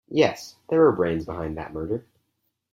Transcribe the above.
Yes, there were brains behind that murder.